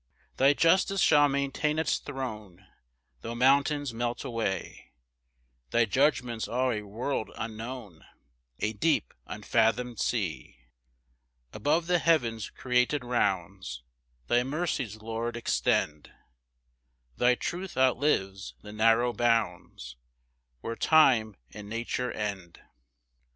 4 Thy justice shall maintain its throne, Tho' mountains melt away; Thy judgments are a world unknown, A deep unfathom'd sea. 5 Above the heavens' created rounds, Thy mercies, Lord, extend; Thy truth outlives the narrow bounds, Where time and nature end.